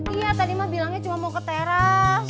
iya tadi ma bilangnya cuma mau ke teras